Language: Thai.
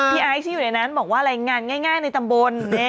ไอซ์ที่อยู่ในนั้นบอกว่ารายงานง่ายในตำบล